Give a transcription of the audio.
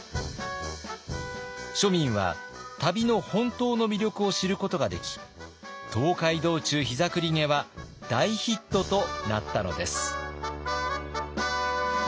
庶民は旅の本当の魅力を知ることができ「東海道中膝栗毛」は大ヒットとなったのです。